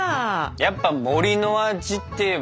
やっぱ森の味っていえば。